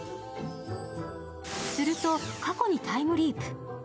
すると過去にタイムリープ。